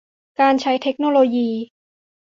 การใช้เทคโนโลยี